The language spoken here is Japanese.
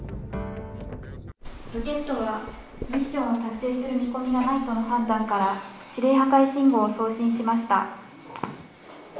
ロケットは、ミッションを達成する見込みがないとの判断から、指令破壊信号を送信しました。